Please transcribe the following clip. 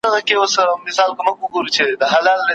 د کره کتونکی نظر د څېړونکي لپاره خورا اړین ګڼل کېږي.